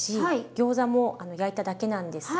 ギョーザも焼いただけなんですが。